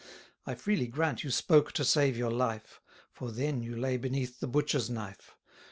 I freely grant you spoke to save your life; For then you lay beneath the butcher's knife.